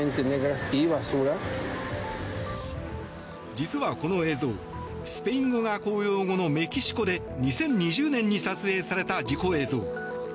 実は、この映像スペイン語が公用語のメキシコで２０２０年に撮影された事故映像。